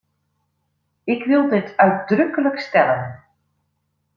Ik wil dit uitdrukkelijk stellen.